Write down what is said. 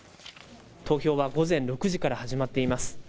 投票は午前６時から始まっています。